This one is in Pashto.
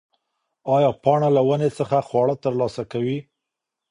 ایا پاڼه له ونې څخه خواړه ترلاسه کوي؟